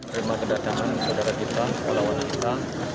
terima kasih saudara kita pelawan kita